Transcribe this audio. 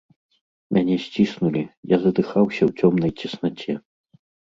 Мяне сціснулі, я задыхаўся ў цёмнай цеснаце.